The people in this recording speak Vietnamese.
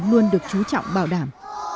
luôn được trú trọng bảo đảm